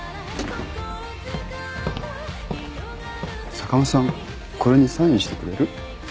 坂間さんこれにサインしてくれる？